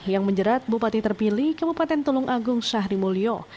yang menjerat bupati terpilih ke bupaten tulung agung syahrimulyo